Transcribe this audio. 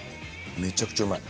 めちゃくちゃうまい。